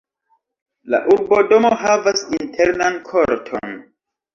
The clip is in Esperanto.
La urbodomo havas internan korton.